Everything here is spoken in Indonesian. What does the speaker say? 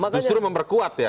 justru memperkuat ya